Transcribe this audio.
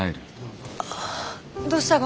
どうしたが？